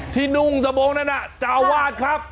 ที่นุ่งสโมงนั่นน่ะเจ้าอาวาสครับ